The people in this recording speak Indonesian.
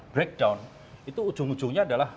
breakdown itu ujung ujungnya adalah